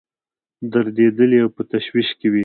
دردېدلي او په تشویش کې وي.